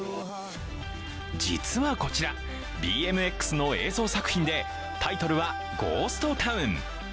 実はこちら、ＢＭＸの映像作品でタイトルは「ＧＨＯＳＴＴＯＷＮ」。